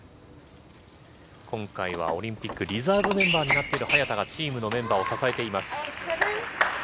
今回はオリンピックリザーブメンバーになっている早田がチームのメンバーを支えています。